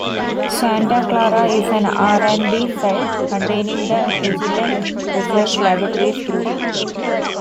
Santa Clara is an R and D site, containing the Agilent Research Laboratories group.